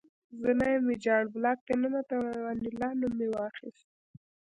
زه نیم ویجاړ بلاک ته ننوتم او د انیلا نوم مې واخیست